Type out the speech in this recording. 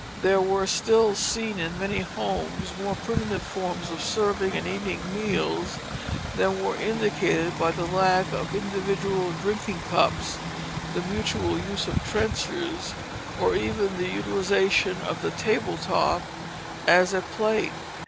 There were still seen in many homes more primitive forms of serving and eating meals, than were indicated by the lack of individual drinking cups, the mutual use of a trencher, or even the utilization of the table top as a plate.